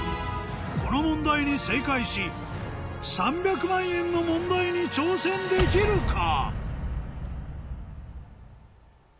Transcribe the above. この問題に正解し３００万円の問題に挑戦できるか？